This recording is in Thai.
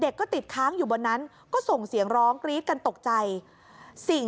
ก็ติดค้างอยู่บนนั้นก็ส่งเสียงร้องกรี๊ดกันตกใจสิ่ง